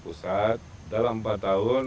pusat dalam empat tahun